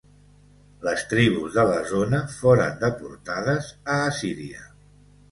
Les tribus de la zona foren deportades a Assíria.